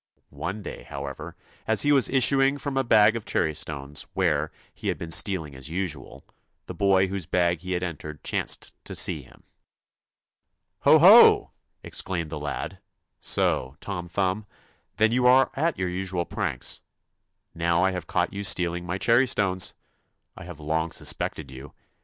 One day, however, as he was issuing from a bag of cherrystones, where he had been stealing as usual, the boy whose bag he had entered chanced to see him. ' Ho ho 1 ' exclaimed the lad ;' so Tom Thumb, then you are at your usual pranks. Now I have caught you stealing my cherrystones. I have long suspected you.